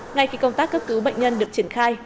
ngay khi công tác cấp cứu bệnh nhân được triển khai